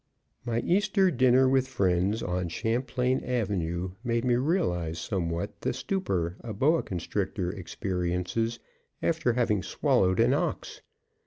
My Easter dinner with friends on Champlain avenue made me realize somewhat the stupor a boa constrictor experiences after having swallowed an ox.